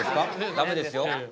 ダメですよ。